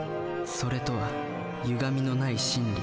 「それ」とはゆがみのない真理。